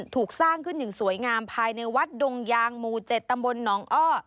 ถูกสร้างขึ้นอย่างสวยงามภายในวัดดงยางหมู่๗ตำบลหนองอ้อ